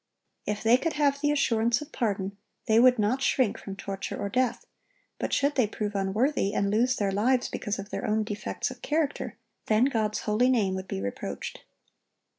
(1059) If they could have the assurance of pardon, they would not shrink from torture or death; but should they prove unworthy, and lose their lives because of their own defects of character, then God's holy name would be reproached.